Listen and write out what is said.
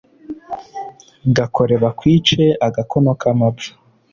gakore bakwice-agakono k'amapfa